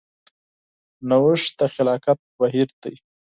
نوښت د خلاقیت بهیر دی.